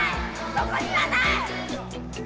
そこには無い！